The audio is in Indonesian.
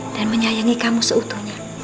dan menyayangi kamu seutuhnya